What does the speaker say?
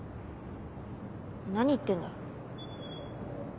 何言ってんだ。